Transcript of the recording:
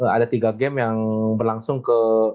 ada tiga game yang berlangsung ke